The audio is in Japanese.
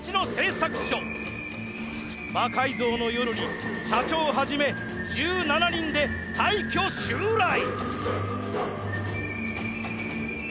「魔改造の夜」に社長はじめ１７人で大挙襲来！